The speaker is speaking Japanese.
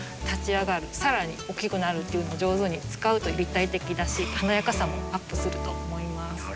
立ち上がるさらに大きくなるっていうの上手に使うと立体的だし華やかさもアップすると思います。